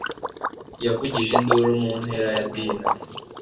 yavugije induru mu ntera ya dina